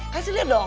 kasih liat dong